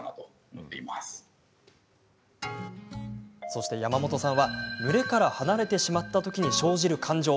そして山本さんは、群れから離れてしまったときに生じる感情